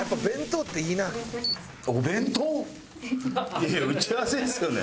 いやいや打ち合わせですけどね。